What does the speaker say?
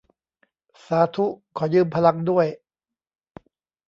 สาธุ ขอยืมพลังด้วย